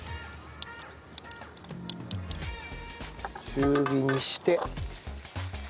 中火にして。